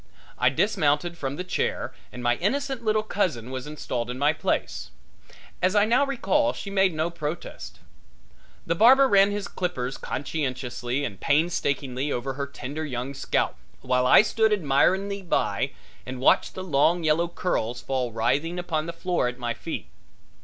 I dismounted from the chair and my innocent little cousin was installed in my place. As I now recall she made no protest. The barber ran his clippers conscientiously and painstakingly over her tender young scalp, while I stood admiringly by and watched the long yellow curls fall writhing upon the floor at my feet.